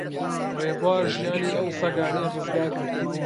ڕێبوار ژیانی ئەو سەگانەی ڕزگار کرد.